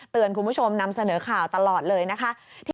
คุณผู้ชมนำเสนอข่าวตลอดเลยนะคะ